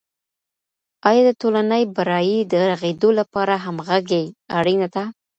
آیا د ټولني برایې د رغیدو لپاره همغږي اړینه ده؟